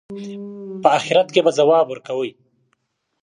په آخرت کې به ځواب ورکوئ.